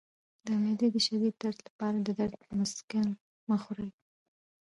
د معدې د شدید درد لپاره د درد مسکن مه خورئ